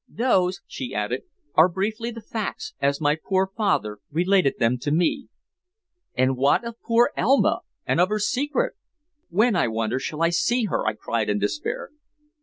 Those," she added, "are briefly the facts, as my poor father related them to me." "And what of poor Elma and of her secret? When, I wonder, shall I see her?" I cried in despair.